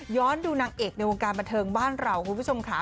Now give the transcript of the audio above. ดูนางเอกในวงการบันเทิงบ้านเราคุณผู้ชมค่ะ